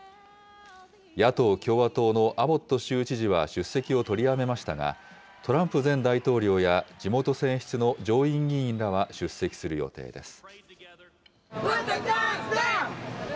野党・共和党のアボット州知事は出席を取りやめましたが、トランプ前大統領や地元選出の上院議員らは出席する予定です。